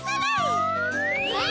え？